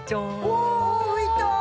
おお浮いた！